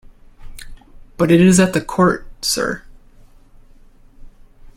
But it is at the Court, sir.